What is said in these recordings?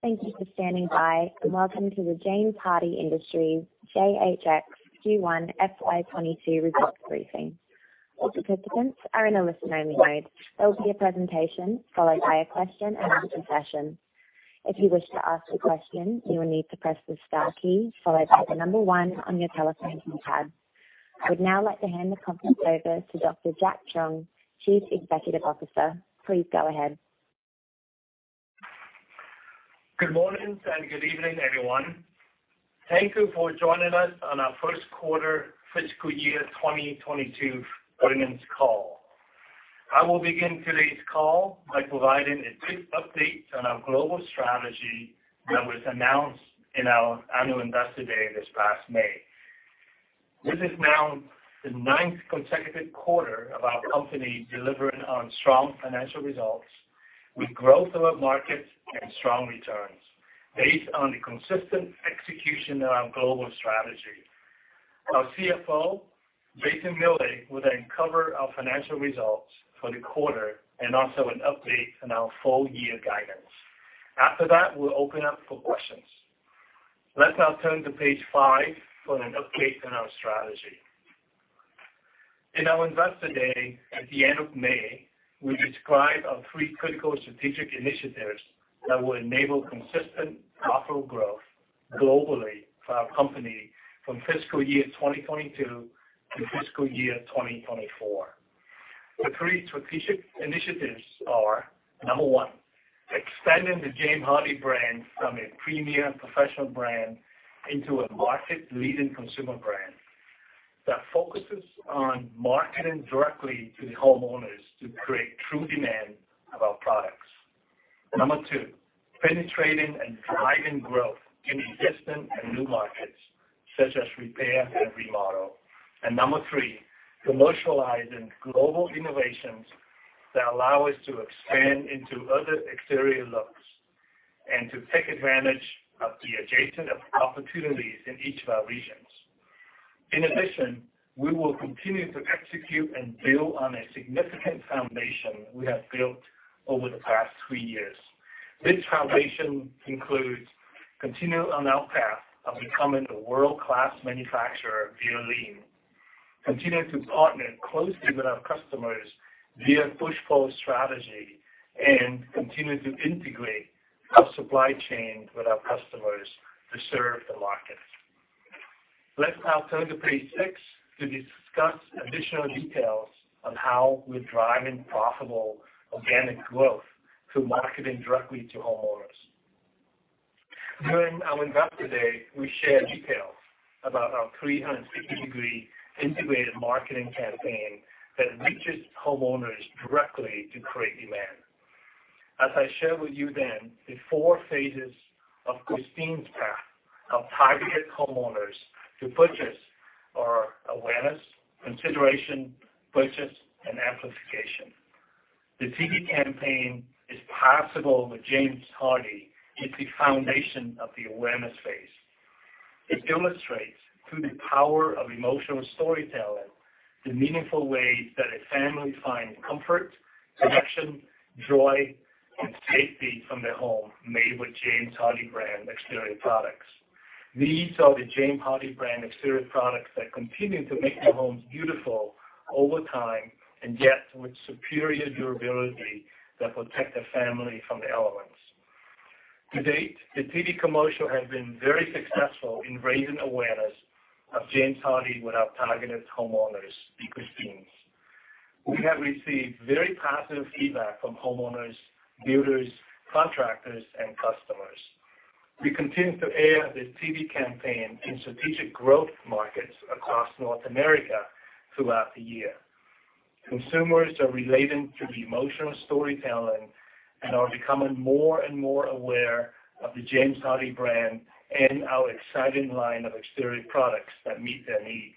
Thank you for standing by, and welcome to the James Hardie Industries JHX Q1 FY 2022 Results Briefing. All participants are in a listen-only mode. There will be a presentation followed by a question and answer session. If you wish to ask a question, you will need to press the star key followed by the number one on your telephone keypad. I would now like to hand the conference over to Dr. Jack Truong, Chief Executive Officer. Please go ahead. Good morning, and good evening, everyone. Thank you for joining us on our first quarter fiscal year 2022 earnings call. I will begin today's call by providing a brief update on our global strategy that was announced in our annual investor day this past May. This is now the ninth consecutive quarter of our company delivering on strong financial results with growth in our markets and strong returns based on the consistent execution of our global strategy. Our CFO, Jason Miele, will then cover our financial results for the quarter and also an update on our full-year guidance. After that, we'll open up for questions. Let's now turn to page five for an update on our strategy. In our investor day at the end of May, we described our three critical strategic initiatives that will enable consistent profitable growth globally for our company from fiscal year 2022 to fiscal year 2024. The three strategic initiatives are, number one, extending the James Hardie brand from a premier professional brand into a market-leading consumer brand that focuses on marketing directly to the homeowners to create true demand of our products. Number two, penetrating and driving growth in existing and new markets, such as repair and remodel, and number three, commercializing global innovations that allow us to expand into other exterior looks and to take advantage of the adjacent opportunities in each of our regions. In addition, we will continue to execute and build on a significant foundation we have built over the past three years. This foundation includes continuing on our path of becoming a world-class manufacturer via Lean, continuing to partner closely with our customers via push-pull strategy, and continuing to integrate our supply chain with our customers to serve the market. Let's now turn to page 6 to discuss additional details on how we're driving profitable organic growth through marketing directly to homeowners. During our investor day, we shared details about our 360-degree integrated marketing campaign that reaches homeowners directly to create demand. As I shared with you then, the four phases of Christine's path of targeted homeowners to purchase are awareness, consideration, purchase, and amplification. The TV campaign "It's Possible with James Hardie" is the foundation of the awareness phase. It illustrates, through the power of emotional storytelling, the meaningful ways that a family find comfort, protection, joy, and safety from their home made with James Hardie brand exterior products. These are the James Hardie brand exterior products that continue to make their homes beautiful over time, and yet with superior durability that protect the family from the elements. To date, the TV commercial has been very successful in raising awareness of James Hardie with our targeted homeowners, the Christines. We have received very positive feedback from homeowners, builders, contractors, and customers. We continue to air this TV campaign in strategic growth markets across North America throughout the year. Consumers are relating to the emotional storytelling and are becoming more and more aware of the James Hardie brand and our exciting line of exterior products that meet their needs.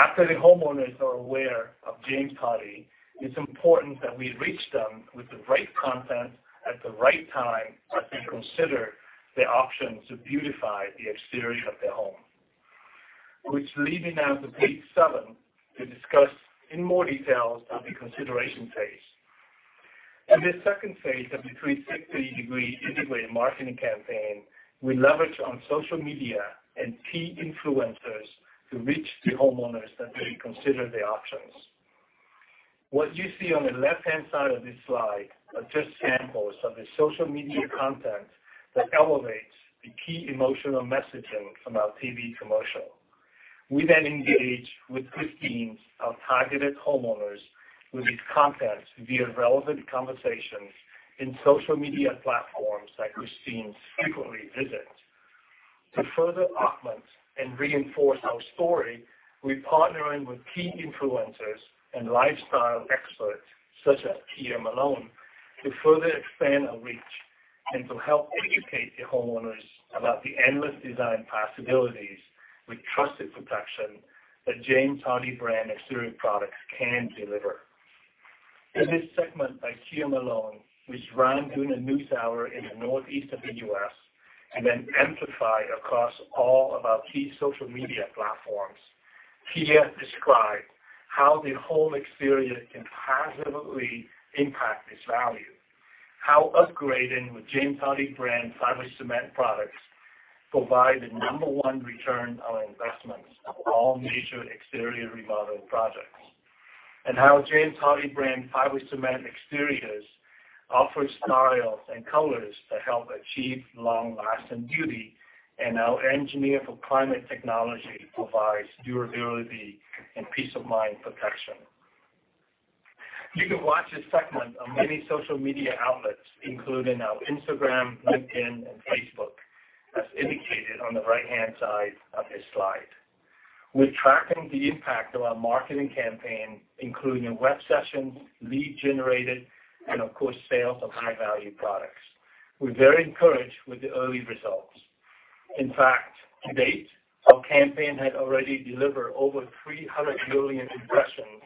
After the homeowners are aware of James Hardie, it's important that we reach them with the right content at the right time as they consider the option to beautify the exterior of their home. Which leads us to page seven, to discuss in more detail the consideration phase. In this second phase of the 360-degree integrated marketing campaign, we leverage on social media and key influencers to reach the homeowners that may consider the options. What you see on the left-hand side of this slide are just samples of the social media content that elevates the key emotional messaging from our TV commercial. We then engage with Christines, our targeted homeowners, with these contents via relevant conversations in social media platforms that Christines frequently visit. To further augment and reinforce our story, we're partnering with key influencers and lifestyle experts, such as Taniya Nayak, to further expand our reach and to help educate the homeowners about the endless design possibilities with trusted protection that Hardie brand exterior products can deliver. In this segment by Taniya Nayak, which ran during a news hour in the northeast of the U.S. and then amplified across all of our key social media platforms, Taniya described how the whole exterior can positively impact its value, how upgrading with Hardie brand fiber cement products provide the number one return on investments of all major exterior remodel projects, and how Hardie brand fiber cement exteriors offer styles and colors that help achieve long-lasting beauty, and our Engineered for Climate technology provides durability and peace of mind protection. You can watch this segment on many social media outlets, including our Instagram, LinkedIn, and Facebook, as indicated on the right-hand side of this slide. We're tracking the impact of our marketing campaign, including web sessions, leads generated, and of course, sales of high-value products. We're very encouraged with the early results. In fact, to date, our campaign has already delivered over 300 million impressions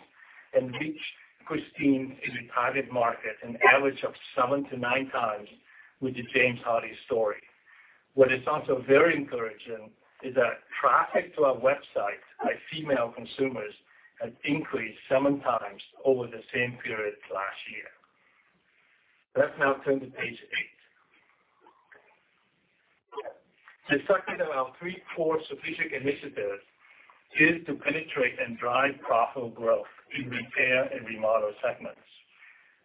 and reached Christine in the target market, an average of seven to nine times with the James Hardie story. What is also very encouraging is that traffic to our website by female consumers has increased seven times over the same period last year. Let's now turn to page eight. The second of our three core strategic initiatives is to penetrate and drive profitable growth in repair and remodel segments.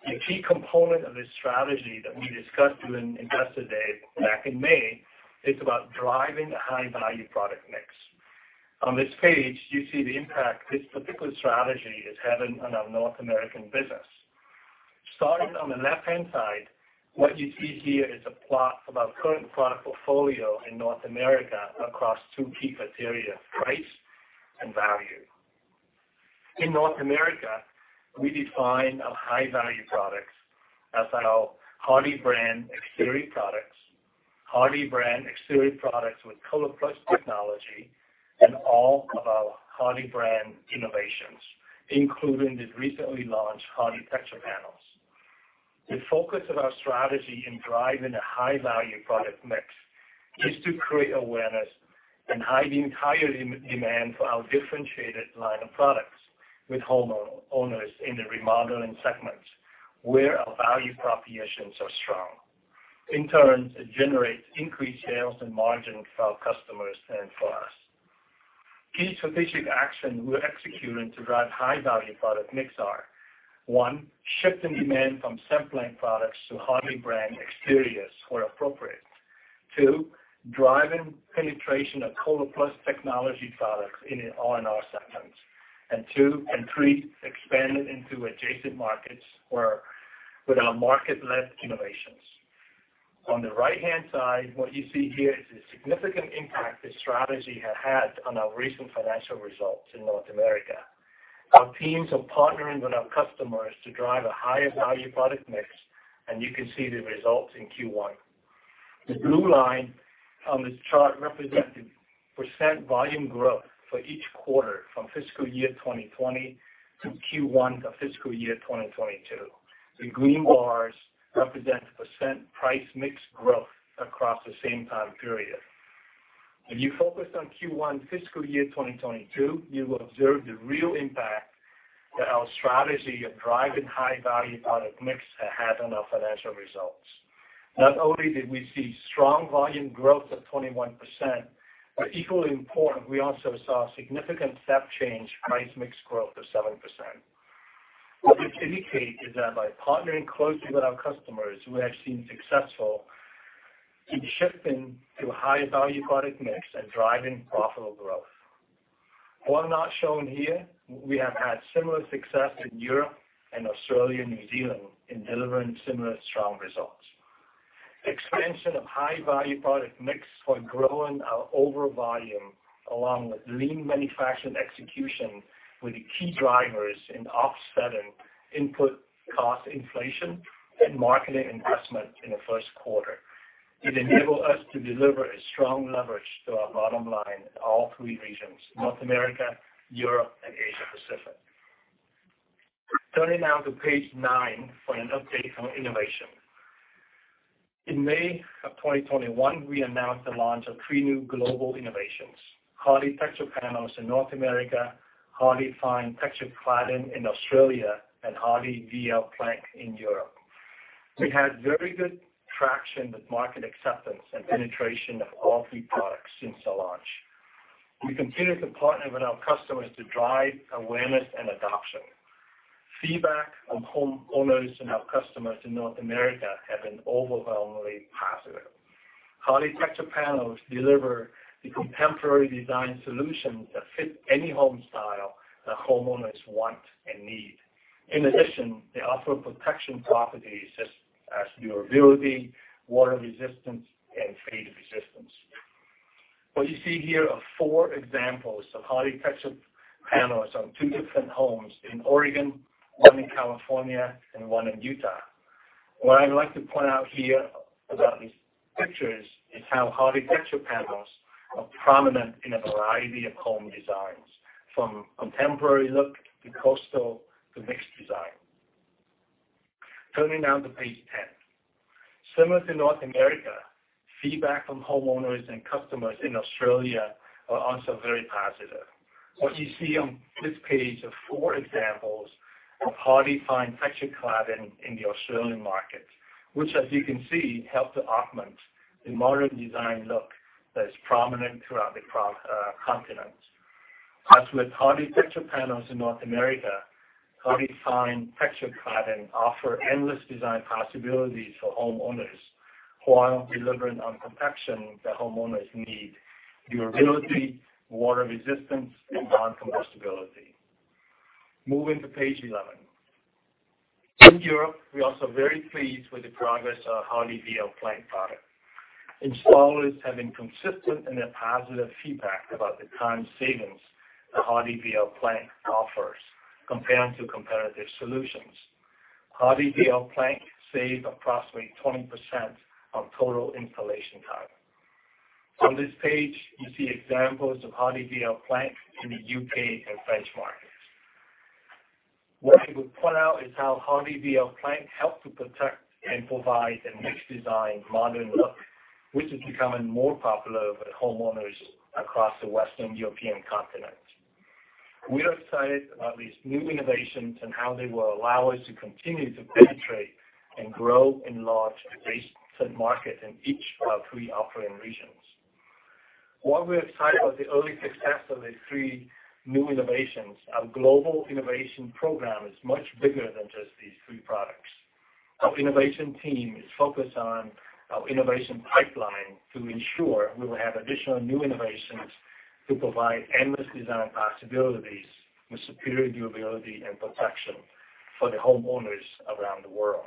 The key component of this strategy that we discussed during Investor Day back in May, is about driving a high-value product mix. On this page, you see the impact this particular strategy is having on our North American business. Starting on the left-hand side, what you see here is a plot of our current product portfolio in North America across two key criteria, price and value. In North America, we define our high-value products as our Hardie brand exterior products, Hardie brand exterior products with ColorPlus Technology, and all of our Hardie brand innovations, including the recently launched Hardie Texture Panels. The focus of our strategy in driving a high-value product mix is to create awareness and high demand for our differentiated line of products with homeowners in the remodeling segments, where our value propositions are strong. In turn, it generates increased sales and margin for our customers and for us. Key strategic action we're executing to drive high-value product mix are, one, shift in demand from Cemplank products to Hardie brand exteriors where appropriate. Two, driving penetration of ColorPlus Technology products in the R&R segments, and three, expanding into adjacent markets where, with our market-led innovations. On the right-hand side, what you see here is the significant impact this strategy has had on our recent financial results in North America. Our teams are partnering with our customers to drive a higher value product mix, and you can see the results in Q1. The blue line on this chart represents the % volume growth for each quarter from fiscal year 2020 to Q1 of fiscal year 2022. The green bars represent the % price mix growth across the same time period. When you focus on Q1 fiscal year 2022, you will observe the real impact that our strategy of driving high-value product mix has had on our financial results. Not only did we see strong volume growth of 21%, but equally important, we also saw a significant step change price mix growth of 7%. What this indicates is that by partnering closely with our customers, we have been successful in shifting to a higher value product mix and driving profitable growth. While not shown here, we have had similar success in Europe and Australia, New Zealand, in delivering similar strong results. Expansion of high-value product mix for growing our overall volume, along with lean manufacturing execution, were the key drivers in offsetting input cost inflation and marketing investment in the first quarter. It enabled us to deliver a strong leverage to our bottom line in all three regions, North America, Europe, and Asia Pacific. Turning now to page nine for an update on innovation. In May 2021, we announced the launch of three new global innovations, Hardie Texture Panels in North America, Hardie Fine Texture Cladding in Australia, and Hardie VL Plank in Europe. We had very good traction with market acceptance and penetration of all three products since the launch. We continue to partner with our customers to drive awareness and adoption. Feedback from homeowners and our customers in North America have been overwhelmingly positive. Hardie Texture Panels deliver the contemporary design solutions that fit any home style that homeowners want and need. In addition, they offer protection properties such as durability, water resistance, and fade resistance. What you see here are four examples of Hardie Texture Panels on two different homes in Oregon, one in California, and one in Utah. What I'd like to point out here about these pictures is how Hardie Texture Panels are prominent in a variety of home designs, from contemporary look to coastal to mixed design. Turning now to page 10. Similar to North America, feedback from homeowners and customers in Australia are also very positive. What you see on this page are four examples of Hardie Fine Texture Cladding in the Australian market, which, as you can see, help to augment the modern design look that is prominent throughout the continent. As with Hardie Texture Panels in North America, Hardie Fine Texture Cladding offer endless design possibilities for homeowners, while delivering on protection that homeowners need, durability, water resistance, and non-combustibility. Moving to page 11. In Europe, we're also very pleased with the progress of our Hardie VL Plank product. Installers have been consistent in their positive feedback about the time savings the Hardie VL Plank offers compared to competitive solutions. Hardie VL Plank save approximately 20% of total installation time. On this page, you see examples of Hardie VL Plank in the U.K. and French markets. What I would point out is how Hardie VL Plank help to protect and provide a mixed design, modern look, which is becoming more popular with homeowners across the Western European continent. We are excited about these new innovations and how they will allow us to continue to penetrate and grow in large adjacent markets in each of our three operating regions. While we're excited about the early success of these three new innovations, our global innovation program is much bigger than just these three products. Our innovation team is focused on our innovation pipeline to ensure we will have additional new innovations to provide endless design possibilities with superior durability and protection for the homeowners around the world.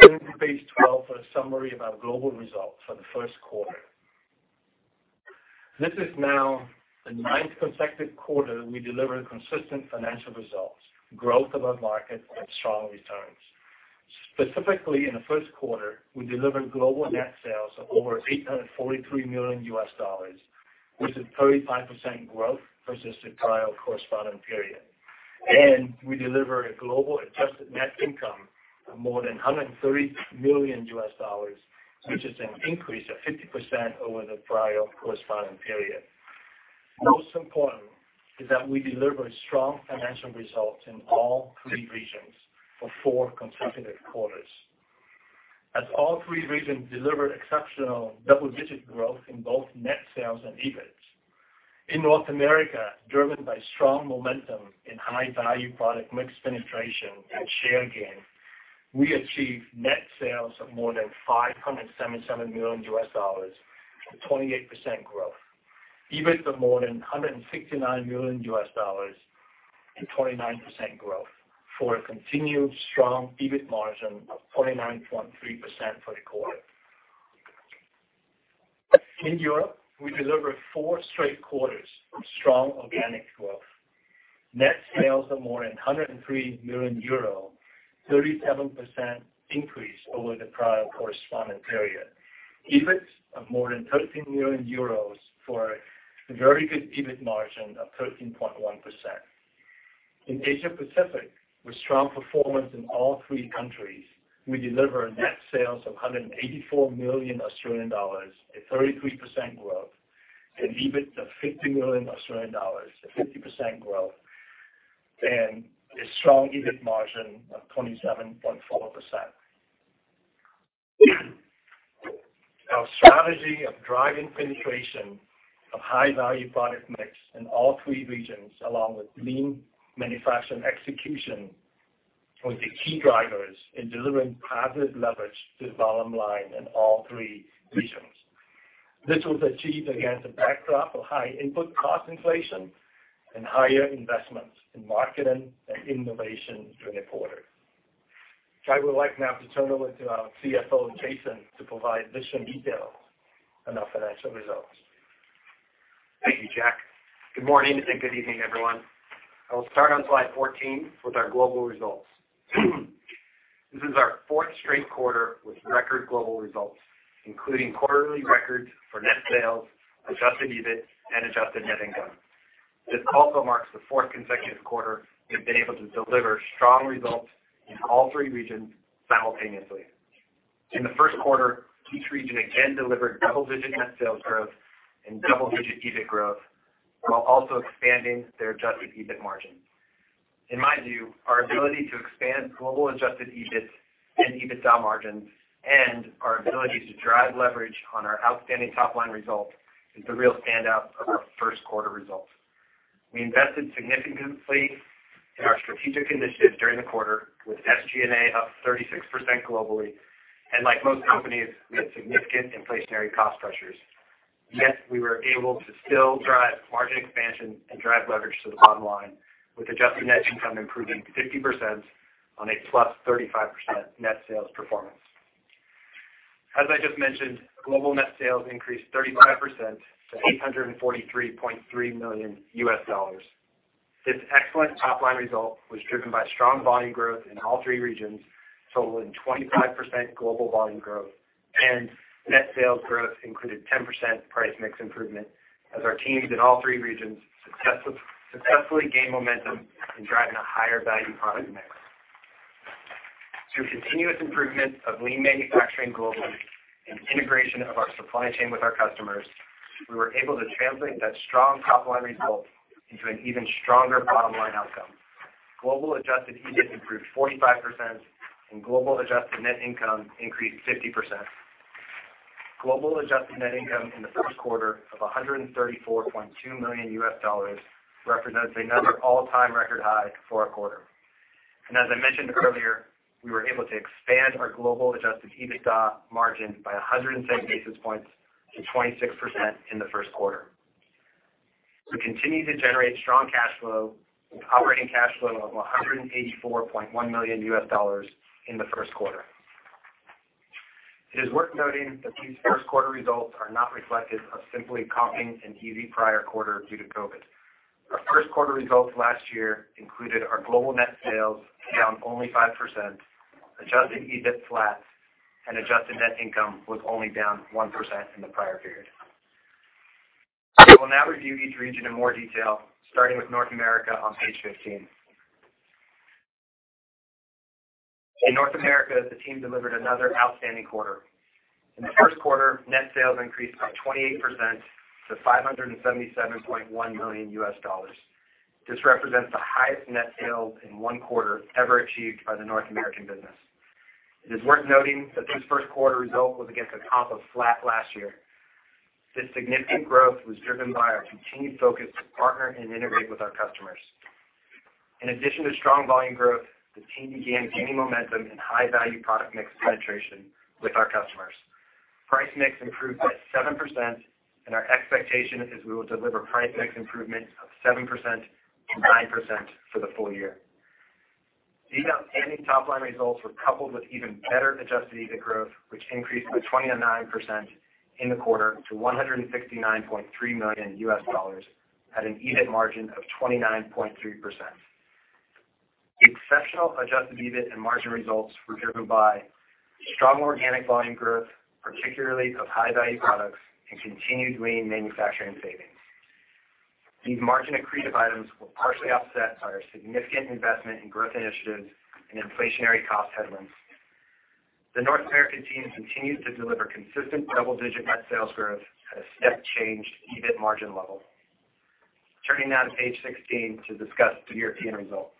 Turning to page 12 for a summary of our global results for the first quarter. This is now the ninth consecutive quarter we delivered consistent financial results, growth of our market, and strong returns. Specifically, in the first quarter, we delivered global net sales of over $843 million, which is 35% growth versus the prior corresponding period. And we delivered a global adjusted net income of more than $130 million, which is an increase of 50% over the prior corresponding period. Most important, is that we delivered strong financial results in all three regions for four consecutive quarters, as all three regions delivered exceptional double-digit growth in both net sales and EBIT. In North America, driven by strong momentum in high-value product mix penetration and share gain, we achieved net sales of more than $577 million, and 28% growth. EBIT of more than $169 million and 29% growth for a continued strong EBIT margin of 29.3% for the quarter. In Europe, we delivered four straight quarters of strong organic growth. Net sales of more than 103 million euro, 37% increase over the prior corresponding period. EBIT of more than 13 million euros for a very good EBIT margin of 13.1%. In Asia Pacific, with strong performance in all three countries, we deliver net sales of 184 million Australian dollars, a 33% growth, and EBIT of 50 million Australian dollars, a 50% growth, and a strong EBIT margin of 27.4%. Our strategy of driving penetration of high-value product mix in all three regions, along with lean manufacturing execution, was the key drivers in delivering positive leverage to the bottom line in all three regions. This was achieved against a backdrop of high input cost inflation and higher investments in marketing and innovation during the quarter. I would like now to turn over to our CFO, Jason, to provide additional details on our financial results. Thank you, Jack. Good morning and good evening, everyone. I will start on slide 14 with our global results. This is our fourth straight quarter with record global results, including quarterly records for net sales, adjusted EBIT, and adjusted net income. This also marks the fourth consecutive quarter we've been able to deliver strong results in all three regions simultaneously. In the first quarter, each region again delivered double-digit net sales growth and double-digit EBIT growth, while also expanding their adjusted EBIT margin. In my view, our ability to expand global adjusted EBIT and EBIT margin, and our ability to drive leverage on our outstanding top-line result, is the real standout of our first quarter results. We invested significantly in our strategic initiatives during the quarter, with SG&A up 36% globally, and like most companies, we had significant inflationary cost pressures. Yet, we were able to still drive margin expansion and drive leverage to the bottom line, with adjusted net income improving 50% on a plus 35% net sales performance. As I just mentioned, global net sales increased 35% to $843.3 million. This excellent top-line result was driven by strong volume growth in all three regions, totaling 25% global volume growth... and net sales growth included 10% price mix improvement, as our teams in all three regions successfully gained momentum in driving a higher value product mix. Through continuous improvement of lean manufacturing globally and integration of our supply chain with our customers, we were able to translate that strong top line result into an even stronger bottom line outcome. Global adjusted EBIT improved 45%, and global adjusted net income increased 50%. Global adjusted net income in the first quarter of $134.2 million represents another all-time record high for a quarter. As I mentioned earlier, we were able to expand our global adjusted EBITDA margin by 110 basis points to 26% in the first quarter. We continue to generate strong cash flow with operating cash flow of $184.1 million in the first quarter. It is worth noting that these first quarter results are not reflective of simply comping an easy prior quarter due to COVID. Our first quarter results last year included our global net sales down only 5%, adjusted EBIT flat, and adjusted net income was only down 1% in the prior period. I will now review each region in more detail, starting with North America on page 15. In North America, the team delivered another outstanding quarter. In the first quarter, net sales increased by 28% to $577.1 million. This represents the highest net sales in one quarter ever achieved by the North American business. It is worth noting that this first quarter result was against a comp of flat last year. This significant growth was driven by our continued focus to partner and integrate with our customers. In addition to strong volume growth, the team began gaining momentum in high-value product mix penetration with our customers. Price mix improved by 7%, and our expectation is we will deliver price mix improvement of 7%-9% for the full year. These outstanding top-line results were coupled with even better adjusted EBIT growth, which increased by 29% in the quarter to $169.3 million, at an EBIT margin of 29.3%. The exceptional adjusted EBIT and margin results were driven by strong organic volume growth, particularly of high-value products and continued lean manufacturing savings. These margin accretive items were partially offset by our significant investment in growth initiatives and inflationary cost headwinds. The North American team continues to deliver consistent double-digit net sales growth at a step-changed EBIT margin level. Turning now to page sixteen to discuss the European results.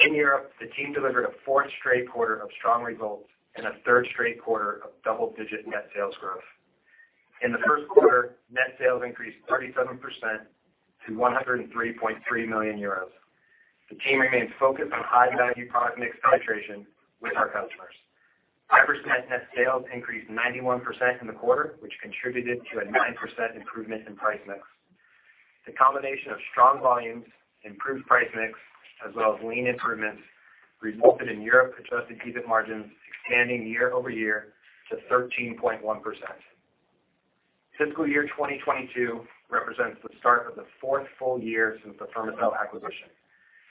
In Europe, the team delivered a fourth straight quarter of strong results and a third straight quarter of double-digit net sales growth. In the first quarter, net sales increased 37% to 103.3 million euros. The team remains focused on high-value product mix penetration with our customers. Diversified net sales increased 91% in the quarter, which contributed to a 9% improvement in price mix. The combination of strong volumes, improved price mix, as well as lean improvements, resulted in Europe adjusted EBIT margins expanding year over year to 13.1%. Fiscal year 2022 represents the start of the fourth full year since the Fermacell acquisition.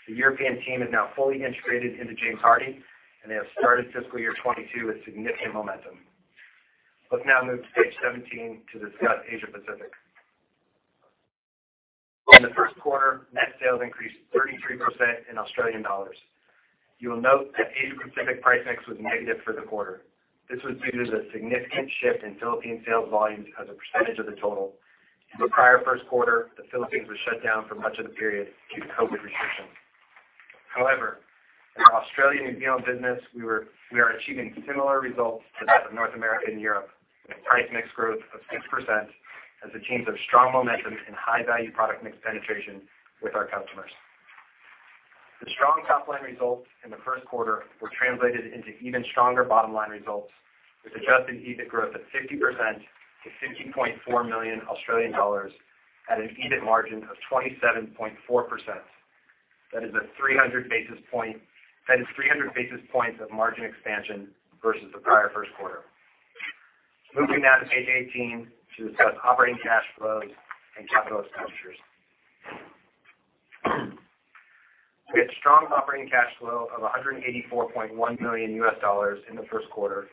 The European team is now fully integrated into James Hardie, and they have started fiscal year 2022 with significant momentum. Let's now move to page 17 to discuss Asia Pacific. In the first quarter, net sales increased 33% in Australian dollars. You will note that Asia Pacific price mix was negative for the quarter. This was due to the significant shift in Philippine sales volumes as a percentage of the total. In the prior first quarter, the Philippines was shut down for much of the period due to COVID restrictions. However, in our Australian and New Zealand business, we are achieving similar results to that of North America and Europe, with price mix growth of 6% as the teams have strong momentum and high-value product mix penetration with our customers. The strong top-line results in the first quarter were translated into even stronger bottom-line results, with adjusted EBIT growth of 50% to 50.4 million Australian dollars, at an EBIT margin of 27.4%. That is three hundred basis points of margin expansion versus the prior first quarter. Moving now to page 18 to discuss operating cash flows and capital expenditures. We had strong operating cash flow of $184.1 million in the first quarter,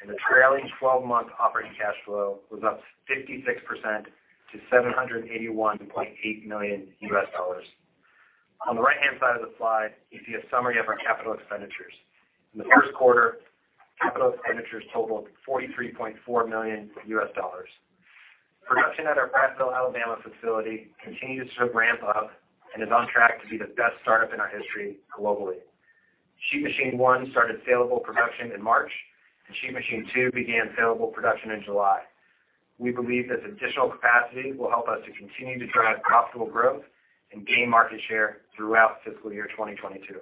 and the trailing twelve-month operating cash flow was up 56% to $781.8 million. On the right-hand side of the slide, you see a summary of our capital expenditures. In the first quarter, capital expenditures totaled $43.4 million. Production at our Prattville, Alabama, facility continues to ramp up and is on track to be the best startup in our history globally. Sheet machine one started salable production in March, and sheet machine two began salable production in July. We believe this additional capacity will help us to continue to drive profitable growth and gain market share throughout fiscal year 2022.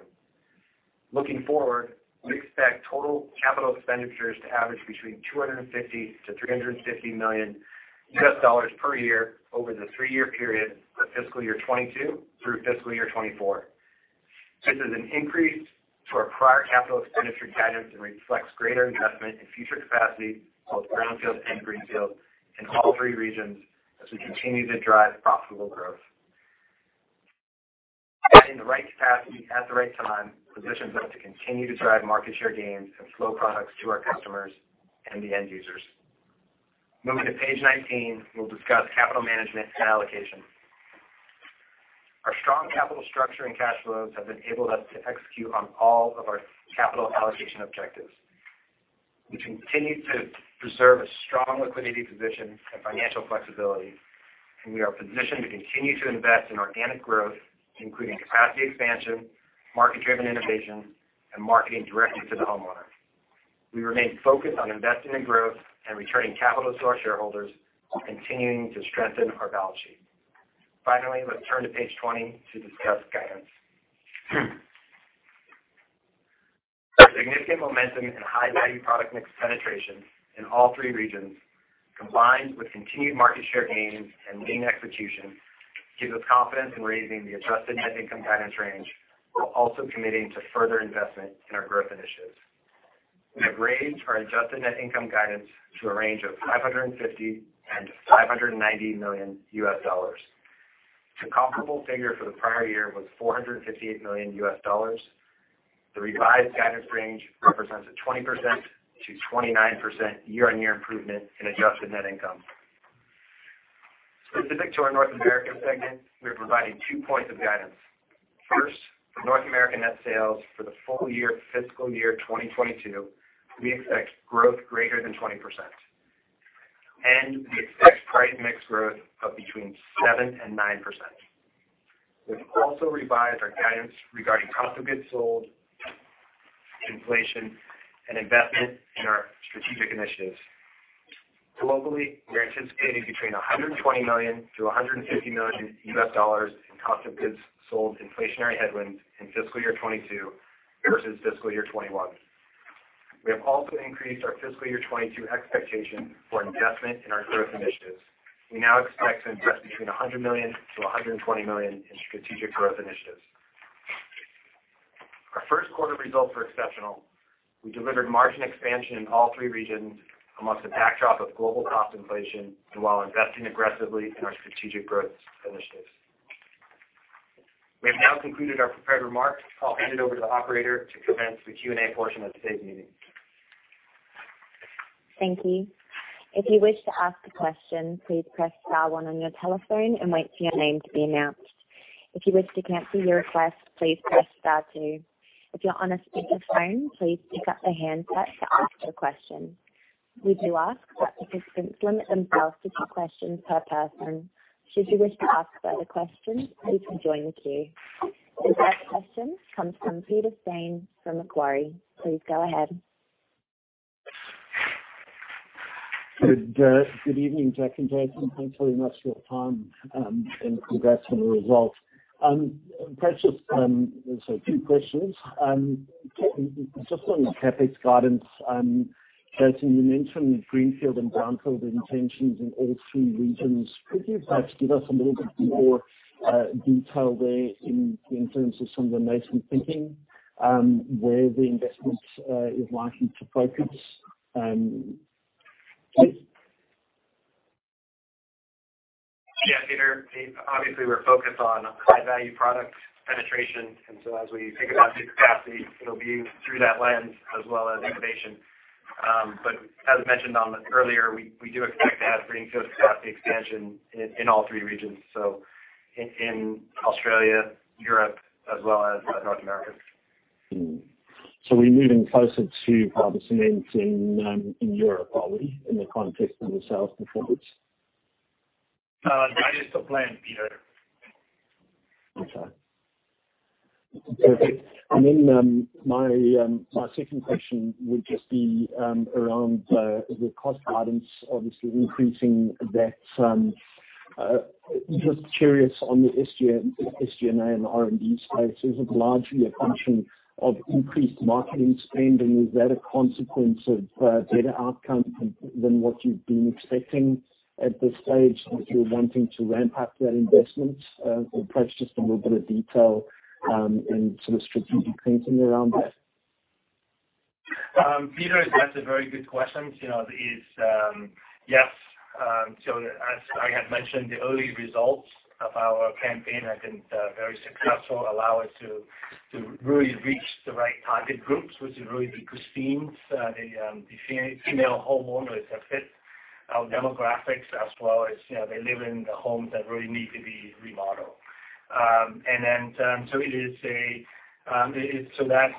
Looking forward, we expect total capital expenditures to average between $250 million and $350 million per year over the three-year period for fiscal year 2022 through fiscal year 2024. This is an increase to our prior capital expenditure guidance and reflects greater investment in future capacity, both brownfield and greenfield, in all three regions as we continue to drive profitable growth. The right capacity at the right time positions us to continue to drive market share gains and flow products to our customers and the end users. Moving to page 19, we'll discuss capital management and allocation. Our strong capital structure and cash flows have enabled us to execute on all of our capital allocation objectives. We continue to preserve a strong liquidity position and financial flexibility, and we are positioned to continue to invest in organic growth, including capacity expansion, market-driven innovation, and marketing directly to the homeowner. We remain focused on investing in growth and returning capital to our shareholders, while continuing to strengthen our balance sheet. Finally, let's turn to page twenty to discuss guidance. Significant momentum and high-value product mix penetration in all three regions, combined with continued market share gains and lean execution, gives us confidence in raising the adjusted net income guidance range, while also committing to further investment in our growth initiatives. We have raised our adjusted net income guidance to a range of $550-$590 million. The comparable figure for the prior year was $458 million. The revised guidance range represents a 20% to 29% year-on-year improvement in adjusted net income. Specific to our North America segment, we are providing two points of guidance. First, for North America net sales for the full year, fiscal year 2022, we expect growth greater than 20%, and we expect price mix growth of between 7% and 9%. We've also revised our guidance regarding cost of goods sold, inflation, and investment in our strategic initiatives. Globally, we're anticipating between $120 million to $150 million in cost of goods sold inflationary headwinds in fiscal year 2022 versus fiscal year 2021. We have also increased our fiscal year 2022 expectation for investment in our growth initiatives. We now expect to invest between $100 million to $120 million in strategic growth initiatives. Our first quarter results were exceptional. We delivered margin expansion in all three regions amongst a backdrop of global cost inflation and while investing aggressively in our strategic growth initiatives. We have now concluded our prepared remarks. I'll hand it over to the operator to commence the Q&A portion of today's meeting. Thank you. If you wish to ask a question, please press star one on your telephone and wait for your name to be announced. If you wish to cancel your request, please press star two. If you're on a speakerphone, please pick up the handset to ask your question. We do ask that participants limit themselves to two questions per person. Should you wish to ask another question, please rejoin the queue. The first question comes from Peter Steyn from Macquarie. Please go ahead. Good evening, Jack and Jason. Thanks very much for your time, and congrats on the results. Perhaps, so two questions. Just on the CapEx guidance, Jason, you mentioned greenfield and brownfield intentions in all three regions. Could you perhaps give us a little bit more detail there in terms of some of the recent thinking, where the investment is likely to focus, please? Yeah, Peter, obviously, we're focused on high-value product penetration, and so as we think about new capacity, it'll be through that lens as well as innovation. But as mentioned earlier, we do expect to have greenfield capacity expansion in all three regions, so in Australia, Europe, as well as North America. So we're moving closer to other cements in Europe, are we, in the context of the sales performance? That is the plan, Peter. Okay. And then, my second question would just be around the cost guidance, obviously increasing that. Just curious on the SG&A and R&D space, is it largely a function of increased marketing spending? Is that a consequence of better outcome than what you've been expecting at this stage, if you're wanting to ramp up that investment? Or perhaps just a little bit of detail and some strategic thinking around that. Peter, that's a very good question. You know, it is. Yes, so as I had mentioned, the early results of our campaign have been very successful, allow us to really reach the right target groups, which is really the Christines, the female homeowners that fit our demographics, as well as, you know, they live in the homes that really need to be remodeled. And then, so that's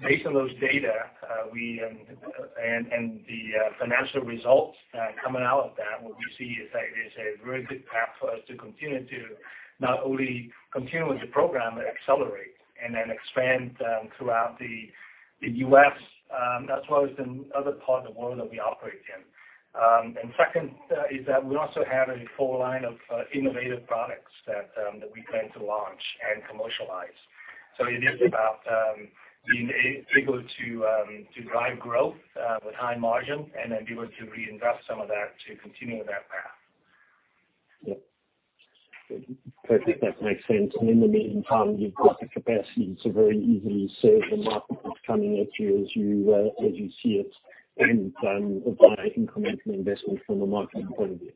based on those data, we and the financial results coming out of that, what we see is that it is a very good path for us to continue to not only continue with the program, but accelerate and then expand throughout the US, as well as the other part of the world that we operate in. And second, is that we also have a full line of innovative products that we plan to launch and commercialize. So it is about being able to drive growth with high margin, and then be able to reinvest some of that to continue with that path. Yep. Perfect, that makes sense. And in the meantime, you've got the capacity to very easily serve the market that's coming at you as you see it, and provide incremental investment from a margin point of view....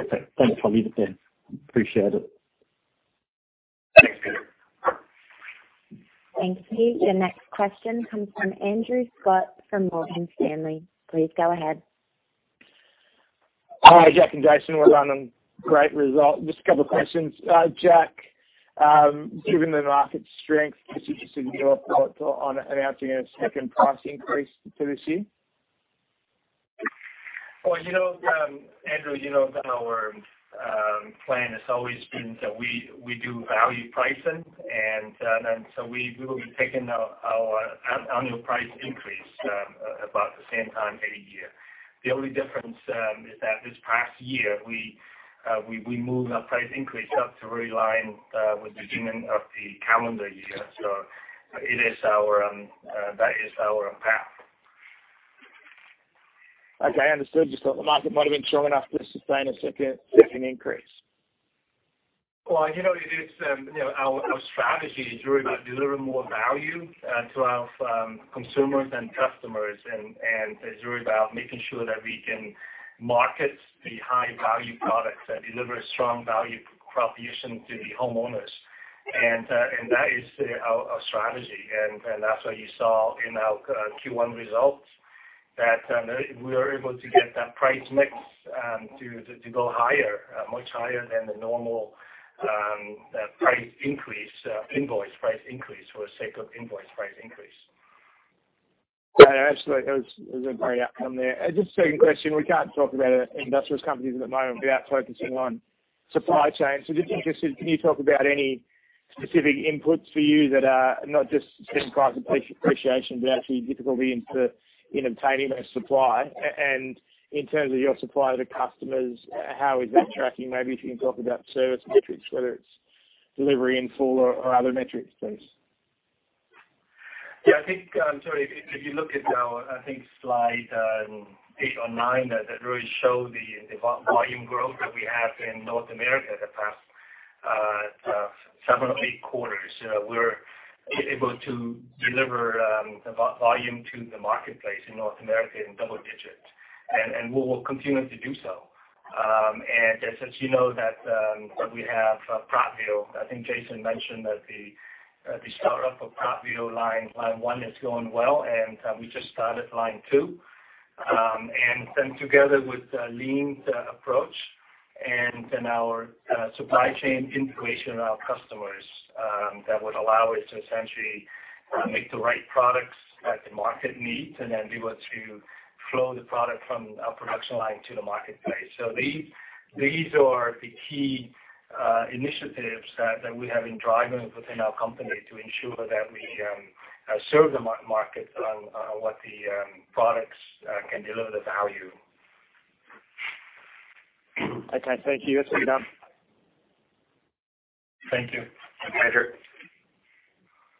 Okay, thanks for leaving it there. Appreciate it. Thanks, Peter. Thank you. Your next question comes from Andrew Scott from Morgan Stanley. Please go ahead. Hi, Jack and Jason. Well done on great result. Just a couple questions. Jack, given the market strength, is it in your thought on announcing a second price increase for this year? You know, Andrew, you know, our plan has always been that we do value pricing, and so we will be taking our annual price increase about the same time every year. The only difference is that this past year, we moved our price increase up to realign with the beginning of the calendar year. So that is our path. Okay, I understood. Just thought the market might have been strong enough to sustain a second increase. Well, you know, it is you know, our strategy is really about delivering more value to our consumers and customers, and it's really about making sure that we can market the high value products that deliver strong value proposition to the homeowners. And that is our strategy, and that's what you saw in our Q1 results, that we were able to get that price mix to go higher, much higher than the normal price increase, invoice price increase for the sake of invoice price increase. Yeah, absolutely. That was a great outcome there. Just a second question. We can't talk about industrial companies at the moment without focusing on supply chain. So just interested, can you talk about any specific inputs for you that are not just seeing price appreciation, but actually difficulty in obtaining that supply? And in terms of your supply to the customers, how is that tracking? Maybe if you can talk about service metrics, whether it's delivery in full or other metrics, please. Yeah, I think, so if you look at our, I think, slide eight or nine, that really shows the volume growth that we have in North America the past seven or eight quarters. We're able to deliver the volume to the marketplace in North America in double digits, and we will continue to do so. And as you know, that we have Prattville. I think Jason mentioned that the startup of Prattville line one is going well, and we just started line two. And then together with lean approach and then our supply chain integration of our customers, that would allow us to essentially make the right products that the market needs, and then be able to flow the product from our production line to the marketplace. So these are the key initiatives that we have been driving within our company to ensure that we serve the market on what the products can deliver the value. Okay, thank you. That's enough. Thank you. My pleasure.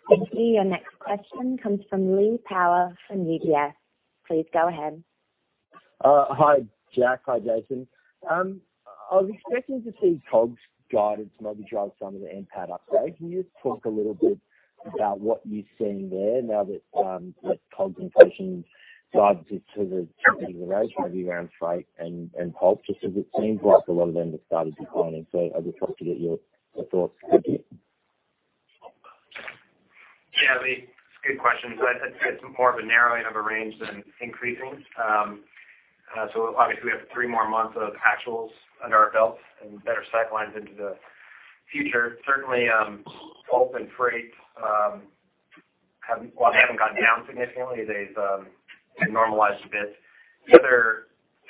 Thank you. Your next question comes from Lee Power from UBS. Please go ahead. Hi, Jack. Hi, Jason. I was expecting to see COGS guidance maybe drive some of the NPAT upside. Can you just talk a little bit about what you're seeing there now that the COGS inflation guides it to the rest, maybe around freight and pulp, just as it seems like a lot of them have started declining? So I just want to get your thoughts. Thank you. Yeah, Lee, it's a good question. So I'd say it's more of a narrowing of a range than increasing. So obviously we have three more months of actuals under our belt and better sight lines into the future. Certainly, pulp and freight haven't gone down significantly. They've normalized a bit. The other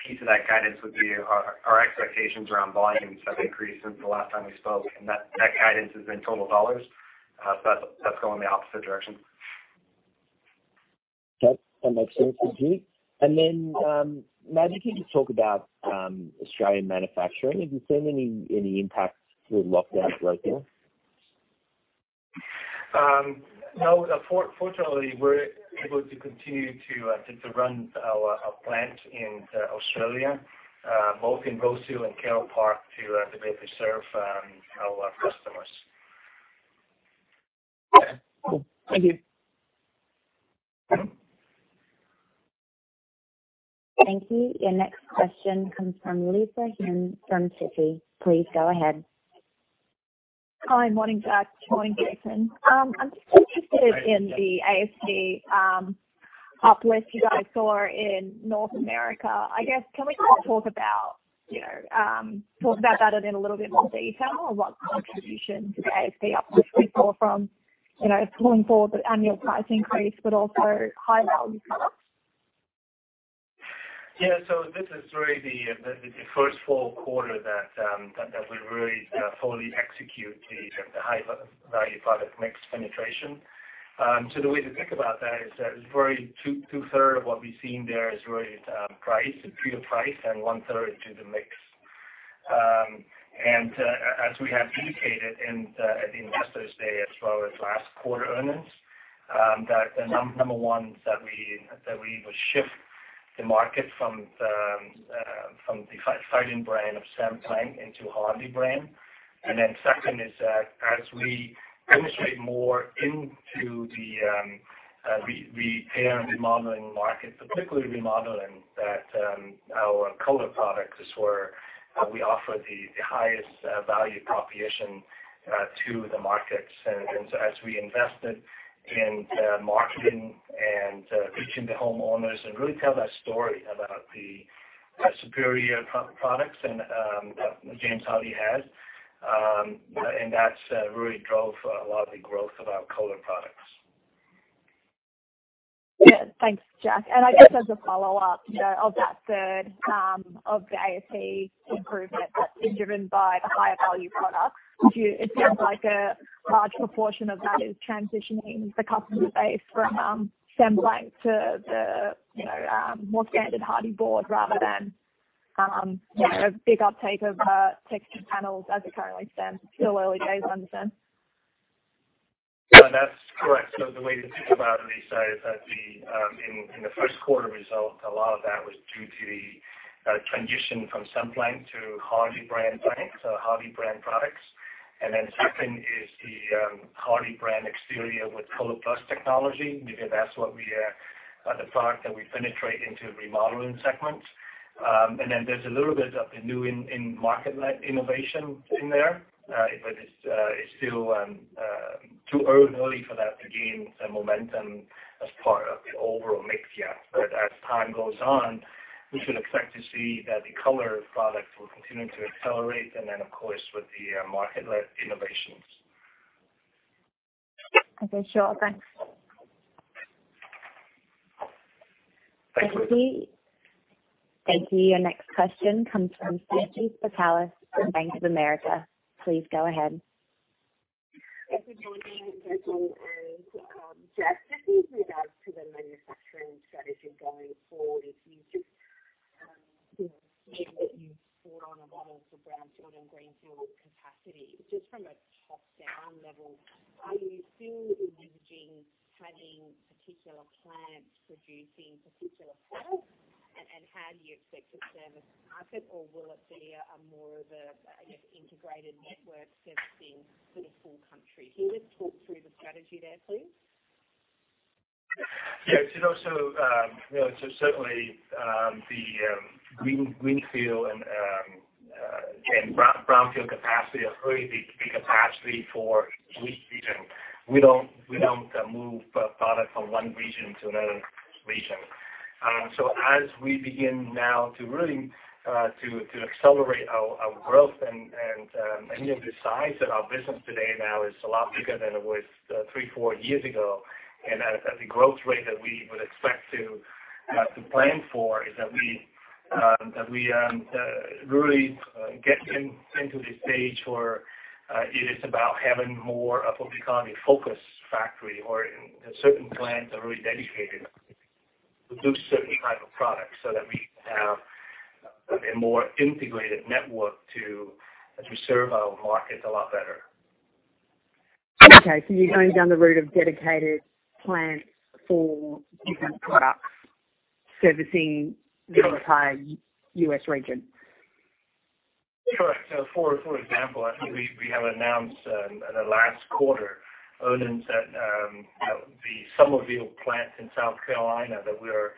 piece of that guidance would be our expectations around volumes have increased since the last time we spoke, and that guidance is in total dollars. So that's going in the opposite direction. Okay. That makes sense to me. And then, maybe can you just talk about Australian manufacturing? Have you seen any impacts through lockdowns locally? No, fortunately, we're able to continue to run our plant in Australia, both in Rosehill and Carole Park, to basically serve our customers. Okay. Cool. Thank you. Thank you. Your next question comes from Lisa Huynh, from Citi. Please go ahead. Hi. Morning, Jack. Morning, Jason. I'm just interested in the ASP uplift you guys saw in North America. I guess, can we just talk about, you know, talk about that in a little bit more detail? Or what contribution to the ASP uplift we saw from, you know, pulling forward the annual price increase, but also high-value products? Yeah, so this is really the first full quarter that we really fully execute the high-value product mix penetration. So the way to think about that is that it's really two-thirds of what we've seen there is really price improvement, and one-third to the mix. And as we have indicated at the Investors Day, as well as last quarter earnings, that the number one is that we would shift the market from the fighting brand of Cemplank into Hardie brand. And then second is that as we penetrate more into the repair and remodeling market, particularly remodeling, that our color products is where we offer the highest value proposition to the markets. So as we invested in marketing and reaching the homeowners and really tell that story about the superior products that James Hardie has, and that's really drove a lot of the growth of our color products. Yeah, thanks, Jack. And I guess as a follow-up, you know, of that third, of the EBIT improvement that's been driven by the higher value products, do you? It sounds like a large proportion of that is transitioning the customer base from Cemplank to the, you know, more standard Hardie board rather than, you know, a big uptake of texture panels as it currently stands. Still early days, I understand? Yeah, that's correct. So the way to think about it, Lisa, is that in the first quarter results, a lot of that was due to the transition from Cemplank to Hardie brand planks, so Hardie brand products. And then second is the Hardie brand exterior with ColorPlus Technology, because that's the product that we penetrate into remodeling segments. And then there's a little bit of the new market-led innovation in there. But it's still too early for that to gain some momentum as part of the overall mix yet. But as time goes on, we should expect to see that the color products will continue to accelerate and then, of course, with the market-led innovations. Okay, sure. Thanks. Thank you. Thank you, your next question comes from Sanchit Patel from Bank of America. Please go ahead. Thank you, Dorothy, and, Jack, just with regards to the manufacturing strategy going forward, if you just see that you've brought on a lot of the brownfield and greenfield capacity, just from a top-down level, are you still envisaging having particular plants producing particular products? And how do you expect to service the market? Or will it be more of a, I guess, integrated network servicing sort of full country? Can you just talk through the strategy there, please? Yeah, it is also, you know, so certainly, the greenfield and brownfield capacity are really the big capacity for each region. We don't move product from one region to another region. So as we begin now to really to accelerate our growth and the size of our business today now is a lot bigger than it was three, four years ago. At the growth rate that we would expect to plan for, it is that we really are getting into the stage where it is about having more of what we call a focus factory, or certain plants are really dedicated to produce certain type of products, so that we have a more integrated network to, as we serve our markets a lot better. Okay, so you're going down the route of dedicated plants for different products servicing- Yes. the entire US region? Correct. So for example, I think we have announced in the last quarter earnings that you know the Summerville plant in South Carolina that we're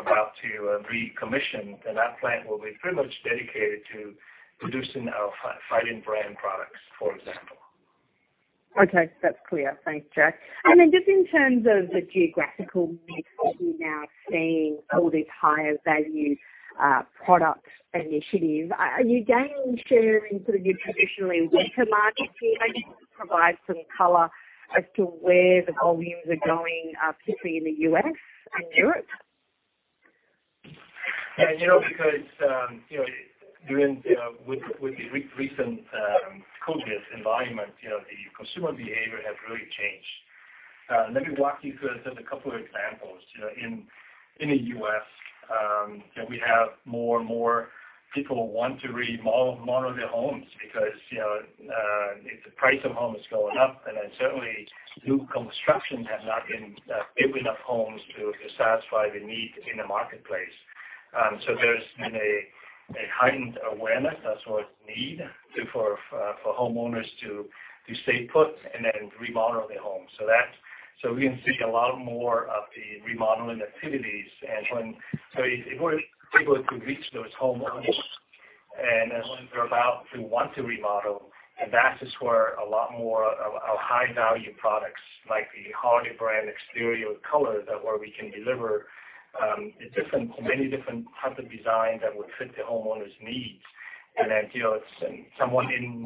about to recommission. And that plant will be pretty much dedicated to producing our fighter brand products, for example. Okay, that's clear. Thanks, Jack. And then just in terms of the geographical mix that you're now seeing all this higher value product initiative, are you gaining share in sort of your traditionally weaker markets? Can you maybe provide some color as to where the volumes are going, particularly in the U.S. and Europe? Yeah, you know, because, you know, during, you know, with, with the recent COVID environment, you know, the consumer behavior has really changed. Let me walk you through just a couple of examples. You know, in the U.S., you know, we have more and more people want to remodel their homes because, you know, if the price of home is going up, and then certainly new construction has not been building enough homes to satisfy the need in the marketplace. So there's been a heightened awareness as well as need for homeowners to stay put and then remodel their homes. So we can see a lot more of the remodeling activities. When so if we're able to reach those homeowners, and as they're about to want to remodel, and that is where a lot more of our high-value products, like the Hardie brand exterior ColorPlus, that where we can deliver a different, many different types of design that would fit the homeowner's needs. And then, you know, it's someone in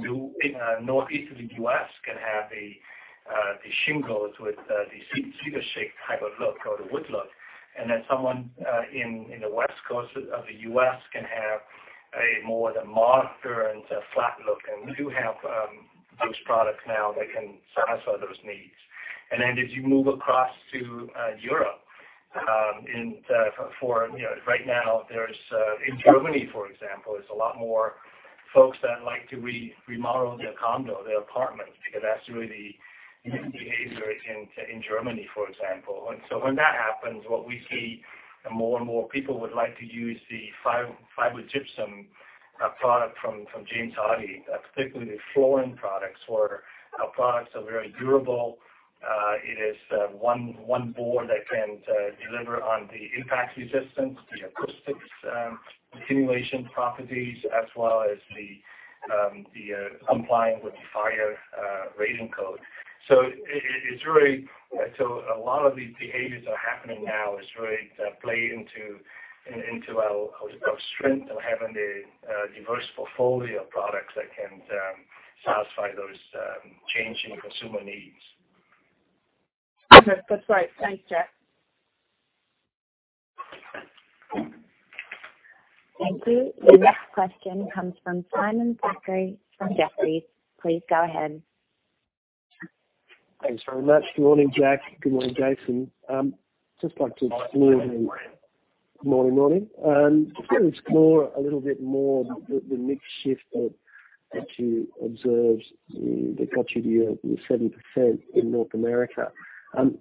the Northeast of the U.S. can have the shingles with the shingle shake type of look or the wood look. And then someone in the West Coast of the U.S. can have a more of the modern and a flat look. And we do have those products now that can satisfy those needs. Then as you move across to Europe, for you know right now, there's in Germany, for example, there's a lot more folks that like to remodel their condo, their apartments, because that's really the behavior in Germany, for example. And so when that happens, what we see, and more and more people would like to use the fiber gypsum product from James Hardie, particularly the flooring products or our products are very durable. It is one board that can deliver on the impact resistance, the acoustics, accumulation properties, as well as the complying with the fire rating code. So it it's really. So a lot of these behaviors are happening now. It's really play into our strength of having a diverse portfolio of products that can satisfy those changing consumer needs. Okay. That's right. Thanks, Jack. Thank you. The next question comes from Simon Thackray from Jefferies. Please go ahead. Thanks very much. Good morning, Jack. Good morning, Jason. Just like to explore the good morning. Just explore a little bit more the mix shift that you observed that got you to your 7% in North America,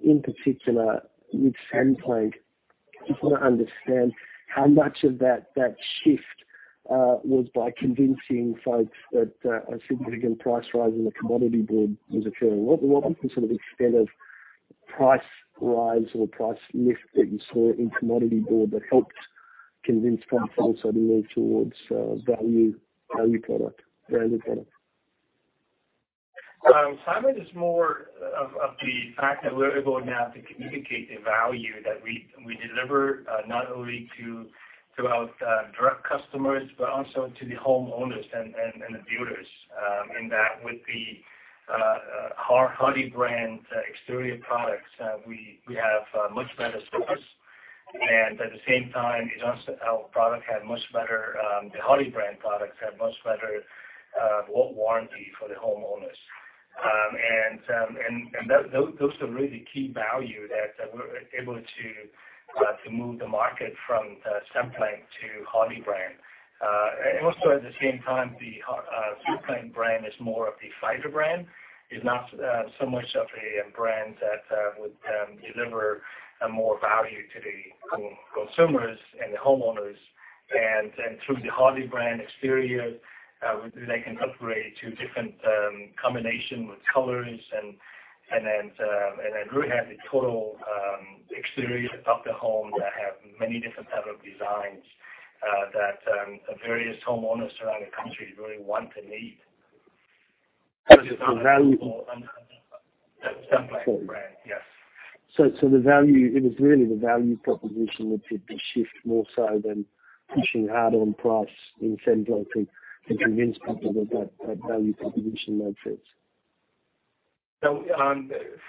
in particular with Cemplank. Just want to understand how much of that shift was by convincing folks that a significant price rise in the commodity board was occurring. What was the sort of extent of price rise or price lift that you saw in commodity board that helped convince folks to also move towards value product? Simon, it's more of the fact that we're able now to communicate the value that we deliver, not only to our direct customers, but also to the homeowners and the builders. And that with the Hardie brand exterior products, we have much better service. And at the same time, it also, our product had much better, the Hardie brand products had much better warranty for the homeowners. And those are really key value that we're able to move the market from Cemplank to Hardie brand. And also at the same time, the Cemplank brand is more of a fiber brand. It's not so much of a brand that would deliver more value to the consumers and the homeowners. And through the Hardie brand exterior, they can upgrade to different combination with colors and then really have the total exterior of the home that have many different type of designs that various homeowners around the country really want and need. The value- Cemplank brand, yes. It was really the value proposition that did the shift more so than pushing hard on price in Cemplank to convince people that value proposition makes sense. So,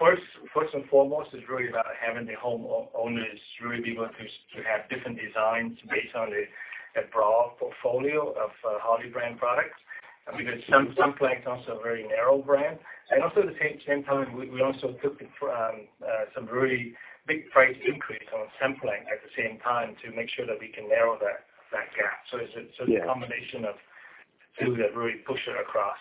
first and foremost, it's really about having the homeowners really be able to have different designs based on the broad portfolio of Hardie brand products. Because Cemplank is also a very narrow brand. And also at the same time, we also took some really big price increase on Cemplank at the same time to make sure that we can narrow that gap. Yeah. So it's a combination of really that push it across.